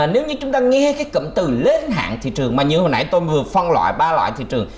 nếu như chúng ta nghe cái cụm từ lên hạng thị trường mà như hồi nãy tôi vừa phân loại ba loại thị trường